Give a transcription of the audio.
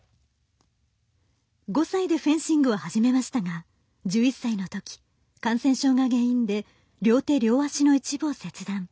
５歳でフェンシングを始めましたが１１歳のとき感染症が原因で両手、両足の一部を切断。